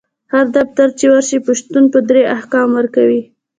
هر دفتر چی ورشي پشتون په دري احکام ورکوي